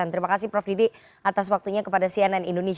terima kasih prof didi atas waktunya kepada siapapun